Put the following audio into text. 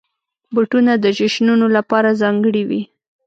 بوټونه د جشنونو لپاره ځانګړي وي.